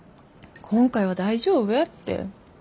今回は大丈夫やって。